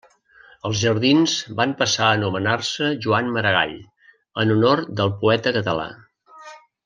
Els jardins van passar a anomenar-se Joan Maragall, en honor del poeta català.